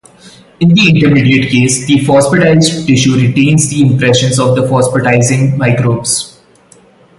In the intermediate case the phosphatized tissue retains the impressions of the phosphatizing microbes.